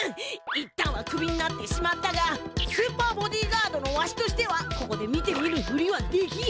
いったんはクビになってしまったがスーパーボディーガードのわしとしてはここで見て見ぬふりはできん！